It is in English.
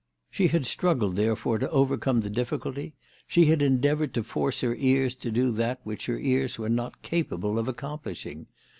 She had struggled therefore to overcome the difficulty. She had endeavoured to force her ears to do that which her ears were not capable of accomplishing.